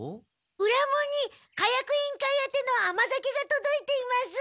裏門に火薬委員会あての甘酒がとどいています。